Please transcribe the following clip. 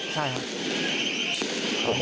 ใช่ครับ